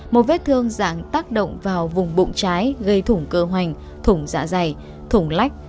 một vết thương dạng tác động vào vùng bụng trái gây thủng cơ hoành thủng dạ dày thủng lách